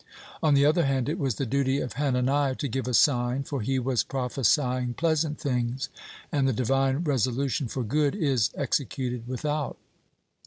On the other hand, it was the duty of Hananiah to give a sign, for he was prophesying pleasant things, and the Divine resolution for good is executed without.